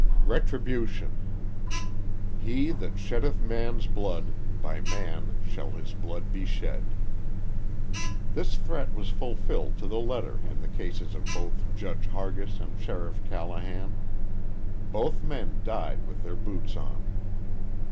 RETRIBUTION. "He that sheddeth man's blood, by man shall his blood be shed." This threat was fulfilled to the letter in the cases of both Judge Hargis and Sheriff Callahan. Both men died with their boots on.